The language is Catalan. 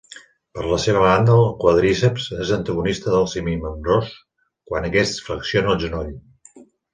Per la seva banda el quàdriceps és antagonista del semimembranós quan aquest flexiona el genoll.